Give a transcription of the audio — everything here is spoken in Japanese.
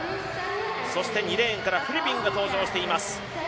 そして２レーンからフィリピンが登場しています。